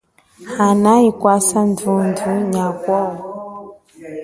Hanayi kwasa ndhundhu nyakowo.